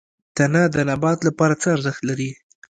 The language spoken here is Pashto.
تنه د نبات لپاره څه ارزښت لري؟